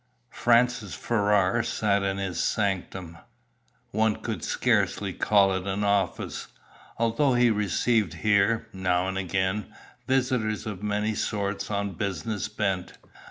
Francis Ferrars sat in his sanctum, one could scarcely call it an office, although he received here, now and again, visitors of many sorts on business bent.